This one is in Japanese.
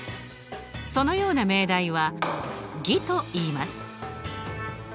そのような命題は偽といいます。